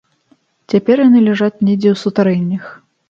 Цяпер яны ляжаць недзе ў сутарэннях.